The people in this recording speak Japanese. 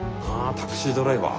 「タクシードライバー」。